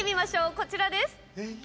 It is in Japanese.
こちらです。